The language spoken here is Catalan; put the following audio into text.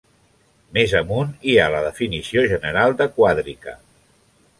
Més amunt, hi ha la definició general de quàdrica.